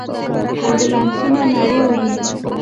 امبولانسونو نارې وهلې.